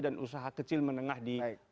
dan usaha kecil menengah di